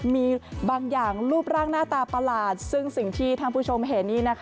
มีบางอย่างรูปร่างหน้าตาประหลาดซึ่งสิ่งที่ท่านผู้ชมเห็น